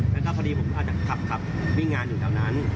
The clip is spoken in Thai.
แล้วก็พอดีผมอาจจะขับวิ่งงานอยู่แถวนั้น